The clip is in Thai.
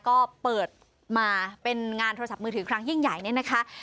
ก็เปิดมาเป็นงานโทรศัพท์มือถือครั้งยิ่งใหญ่เนี่ยนะคะ